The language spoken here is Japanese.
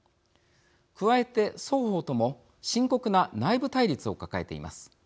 加えて双方とも深刻な内部対立を抱えています。